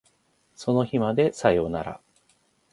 その日までさよなら